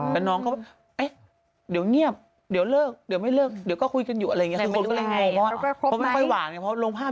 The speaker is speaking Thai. ยังไงอังจรีย์รู้ไหม